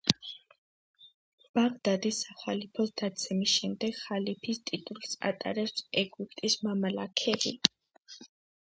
ბაღდადის სახალიფოს დაცემის შემდეგ ხალიფის ტიტულს ატარებდნენ ეგვიპტის მამლუქები.